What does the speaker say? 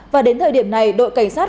và đến thời điểm này đội cảnh sát